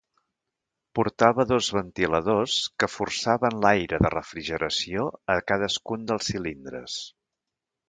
Portava dos ventiladors que forçaven l'aire de refrigeració a cadascun dels cilindres.